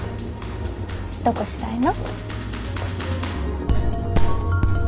どこしたいの？